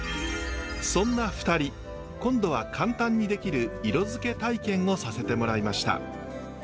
そんな２人今度は簡単にできる色付け体験をさせてもらいました。